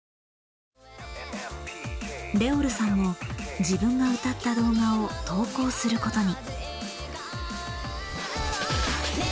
Ｒｅｏｌさんも自分が歌った動画を投稿することに。